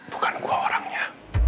bukan gue orangnya